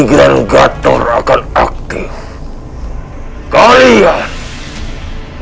berani sekali kalian